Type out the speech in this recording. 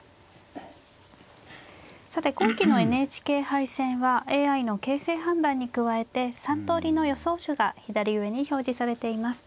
さて今期のＮＨＫ杯戦はＡＩの形勢判断に加えて３通りの予想手が左上に表示されています。